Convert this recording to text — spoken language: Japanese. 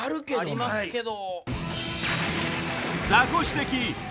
ありますけど。